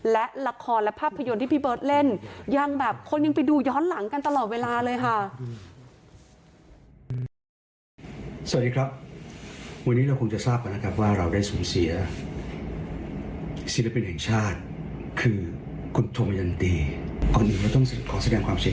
และละครและภาพยนตร์ที่พี่เบิร์ตเล่นยังแบบคนยังไปดูย้อนหลังกันตลอดเวลาเลยค่ะ